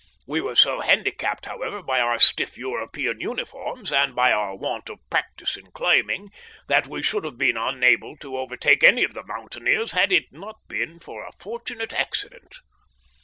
We were so handicapped, however, by our stiff European uniforms and by our want of practice in climbing, that we should have been unable to overtake any of the mountaineers had it not been for a fortunate accident.